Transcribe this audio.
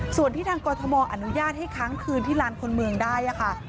ส่วนที่ทางกรทมอนุญาตให้ค้างคืนที่ลานคนเมืองได้ค่ะ